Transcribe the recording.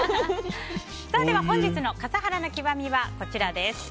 では本日の笠原の極みはこちらです。